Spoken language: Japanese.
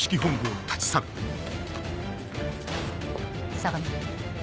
相模。